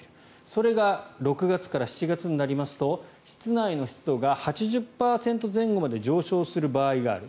それが６月から７月になりますと室内の湿度が８０％前後まで上昇する場合がある。